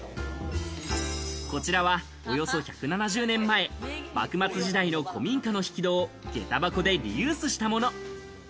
こちらはおよそ１７０年前、幕末時代の古民家の引き戸を下駄箱でリユースしたもの。